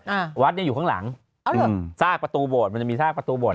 อ่าวัดเนี้ยอยู่ข้างหลังอ๋อเหรออืมซากประตูบวชมันจะมีซากประตูบวช